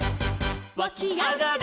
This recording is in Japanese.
「わきあがる」